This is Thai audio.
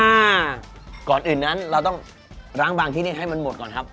อ่าก่อนอื่นนั้นเราต้องล้างบางที่นี่ให้มันหมดก่อนครับ